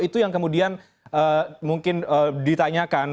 itu yang kemudian mungkin ditanyakan